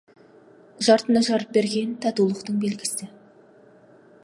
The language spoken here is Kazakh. Жартыны жарып жеген — татулықтың белгісі.